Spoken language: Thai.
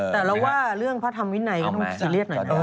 แต่เราว่าเรื่องพระธรรมวินัยก็ต้องซีเรียสหน่อยนะ